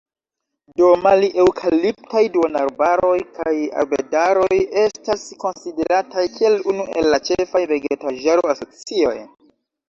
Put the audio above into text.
Do mali-eŭkaliptaj duonarbaroj kaj arbedaroj estas konsiderataj kiel unu el la ĉefaj vegetaĵaro-asocioj.